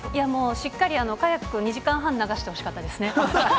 しっかりとカヤック２時間半流してほしかったですね。